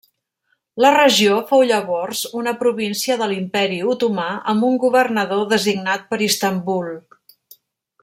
La regió fou llavors una província de l'imperi otomà amb un governador designat per Istanbul.